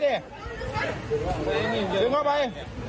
ดึงเข้าไป